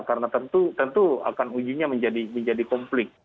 karena tentu tentu akan ujinya menjadi menjadi konflik